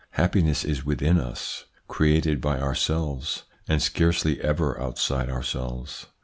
Happiness is within us, created by ourselves, and scarcely ever outside ourselves.